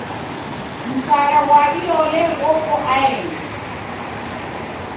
Msara ghwa iole ghoko aeni.